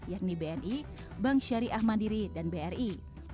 yakni bni bank syari ahmad diri dan bri